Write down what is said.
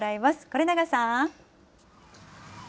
是永さん。